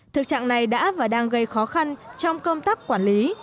thực trạng này đã và đang gây khó khăn trong công tác quản lý